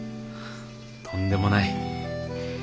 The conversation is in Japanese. とんでもない。